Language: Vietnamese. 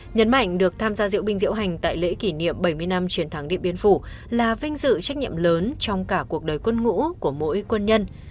nhấn mạnh được tham gia diễu binh diễu hành tại lễ kỷ niệm bảy mươi năm chiến thắng điện biên phủ là vinh dự trách nhiệm lớn trong cả cuộc đời quân ngũ của mỗi quân nhân